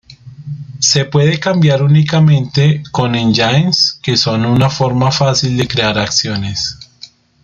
Se puede cambiar únicamente con engines que son una forma fácil de crear acciones.